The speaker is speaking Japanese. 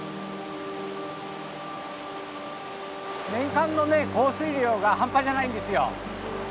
年間の降水量が半端じゃないんですよ。